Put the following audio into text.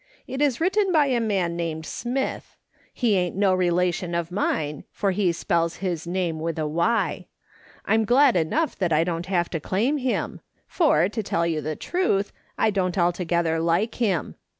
It is written by a man named Smyth. He ain't no relation of mine, for he spells his name with a * y.' I'm glad enough that I don't have to claim him, for, to tell you the truth, I don't altogether like him.